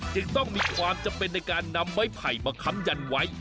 จึงต้องมีความจำเป็นในการนำไม้ไผ่มาค้ำยันไว้